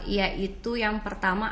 yaitu yang pertama